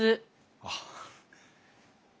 あっ。